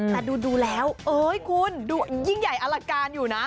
แต่ดูแล้วเอ้ยคุณดูยิ่งใหญ่อลังการอยู่นะ